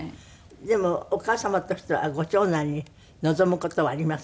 でもお母様としてはご長男に望む事はあります？